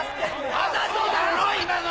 わざとだろ今の！